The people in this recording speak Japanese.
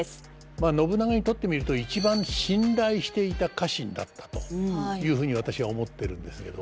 まあ信長にとってみると一番信頼していた家臣だったというふうに私は思ってるんですけど。